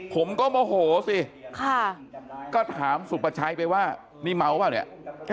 ผมก็โมโหสิก็ถามสุปชัยไปว่านี่เมาเปล่าเนี่ย